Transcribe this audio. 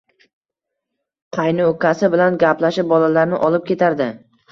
Qaynukasi bilan gaplashib, bolalarni olib ketardi